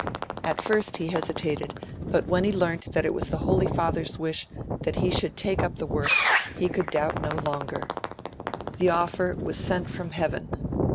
At first he hesitated, but when he learned that it was the Holy Father's wish that he should take up the work, he could doubt no longer; the offer was sent from Heaven.